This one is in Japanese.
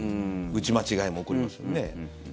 打ち間違いも起こりますよね。